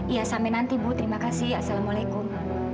iya sampai nanti bu terima kasih assalamualaikum